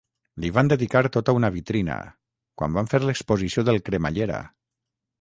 Li van dedicar tota una vitrina, quan van fer l'exposició del cremallera!